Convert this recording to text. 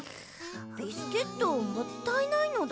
ビスケットもったいないのだ。